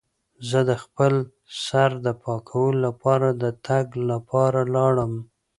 زه د خپل سر د پاکولو لپاره د تګ لپاره لاړم.